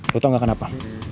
lo tau gak kenapa